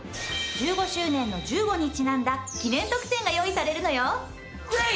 １５周年の「１５」にちなんだ記念特典が用意されるのよ。